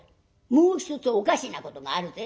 もう一つおかしなことがあるぜ」。